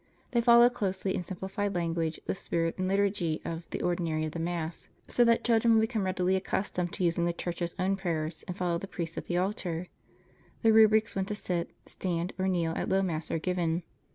They follow closely in simplified language the spirit and liturgy of the "Ordinary of the Mass," so that children will become readily accustomed to using the Church's own prayers and follow the priest at the altar. The rubrics when to sit, stand or kneel at Low Mass are given.